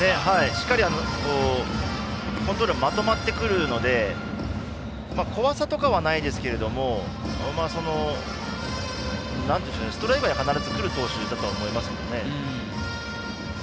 しっかりとコントロールまとまってくるんで怖さとかはないですけれどもストライクが必ずくる投手だと思いますね。